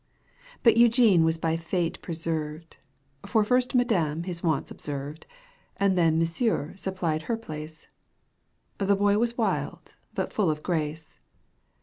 But Eugene was by fate preserved, For first " madame" his wants observed. And then " monsieur " supplied her place ;^ The boy was wild but full of grace.